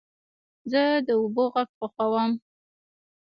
زه د اوبو غږ خوښوم.